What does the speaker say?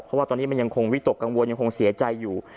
เพราะว่าตอนนี้มันยังคงวิตกกังวลยังคงเสียใจอยู่